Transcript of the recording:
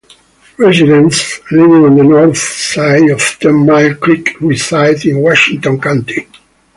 Residents living on the North side of Ten Mile creek reside in Washington County.